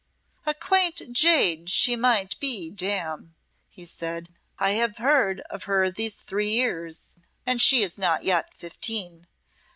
"A quaint jade she must be, damme," he said. "I have heard of her these three years, and she is not yet fifteen.